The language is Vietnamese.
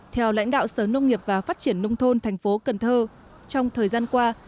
theo lãnh đạo sở nông nghiệp và phát triển nông thôn thành phố cần thơ trong thời gian qua